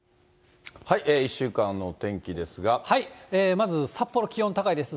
まず札幌、気温高いです。